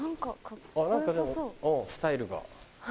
うんスタイルが。